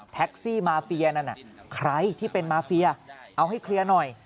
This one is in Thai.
ซี่มาเฟียนั่นน่ะใครที่เป็นมาเฟียเอาให้เคลียร์หน่อย